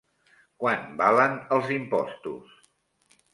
Quant valen els impostos?